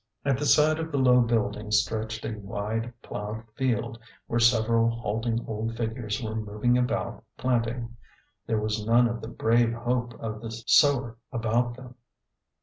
At the side of the low building stretched a wide ploughed field, where several halting old figures were moving about planting. There was none of the brave hope of the sower about them.